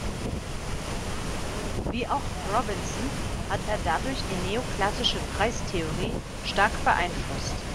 Wie auch Robinson hat er dadurch die neoklassische Preistheorie stark beeinflusst.